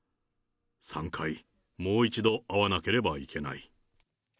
３回、もう一度会わなければいけない。